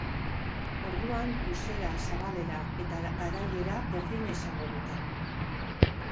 Orduan, luzera, zabalera eta garaiera berdina izango dute.